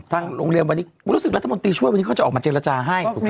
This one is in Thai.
ร้านโรงเรียนวันนี้รัฐบันตรีช่วยก็จะออกมาเจรจาให้